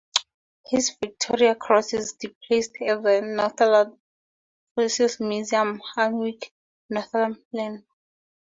His Victoria Cross is displayed at the Northumberland Fusiliers Museum, Alnwick, Northumberland.